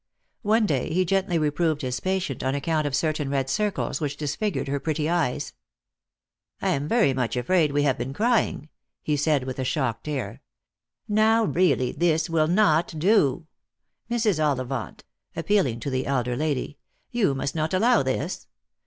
One day he gently reproved his patient on account of certain red circles which disfigured her pretty eyes. " I am very much afraid we have been crying," he said with a shocked air. " Now, really this will not do. Mrs. Ollivant "— appealing to the elder lady —" you must not allow this.